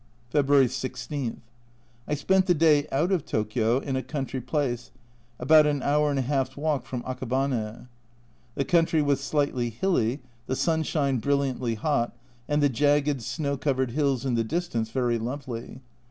February 16. I spent the day out of Tokio in a country place, about an hour and a halfs walk from Akabane. The country was slightly hilly, the sun shine brilliantly hot, and the jagged snow covered hills in the distance very lovely.